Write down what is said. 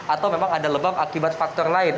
atau memang ada lebam akibat faktor lain